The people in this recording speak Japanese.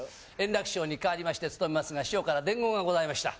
圓楽師匠に変わりまして務めますが、師匠から伝言がございました。